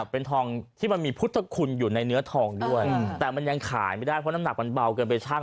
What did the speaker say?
เป็นทองที่มันมีพุทธคุณอยู่ในเนื้อทองด้วยแต่มันยังขายไม่ได้เพราะน้ำหนักมันเบาเกินไปชั่ง